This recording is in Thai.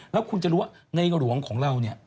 แล้วคุณจะรู้ว่าในหลวงของเราเนี่ย